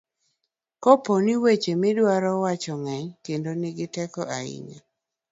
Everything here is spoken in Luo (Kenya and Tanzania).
kapo ni weche midwa wacho ng'eny kendo nigi teko ahinya